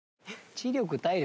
知力体力